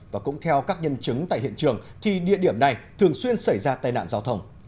và cũng theo các nhân chứng tại hiện trường thì địa điểm này thường xuyên xảy ra tai nạn giao thông